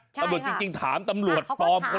ตำรวจจริงถามตำรวจปลอม